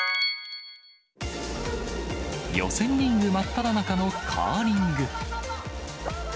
予選リーグ真っただ中のカーリング。